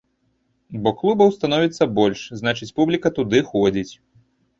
Бо клубаў становіцца больш, значыць публіка туды ходзіць.